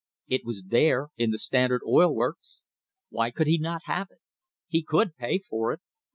It was there in the Standard Oil works. Why could he not have it? He could pay for it.